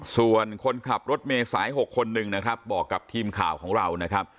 ส่วนคนขับรถเมย์สาย๖คนหนึ่งนะครับบอกกับทีมข่าวของเรานะครับ